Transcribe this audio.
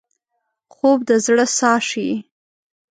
خوب د زړه ساه شي